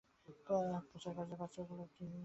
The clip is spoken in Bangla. প্রচারকার্যটা প্রাচ্য লোকেরাই বরাবর করিয়া আসিয়াছে।